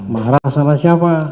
marah sama siapa